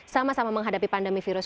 sama sama menghadapi pandemi virus